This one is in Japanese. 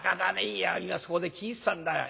いや今そこで聞いてたんだよ。